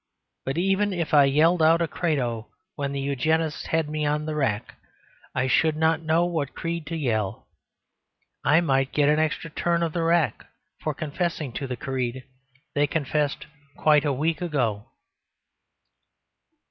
But even if I yelled out a credo when the Eugenists had me on the rack, I should not know what creed to yell. I might get an extra turn of the rack for confessing to the creed they confessed quite a week ago.